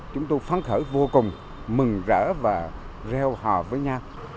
chúng tôi phán khởi vô cùng mừng rỡ và reo hò với nhau